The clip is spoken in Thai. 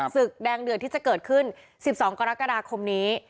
ศึกแดงเดือดที่จะเกิดขึ้น๑๒กรกฎาคมนี้